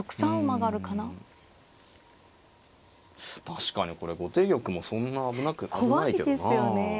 確かにこれ後手玉もそんな危なく危ないけどなあ。